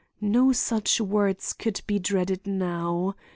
No such words could be dreaded now.